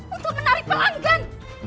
untuk menarik pelanggan